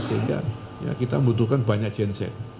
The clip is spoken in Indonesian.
sehingga kita membutuhkan banyak genset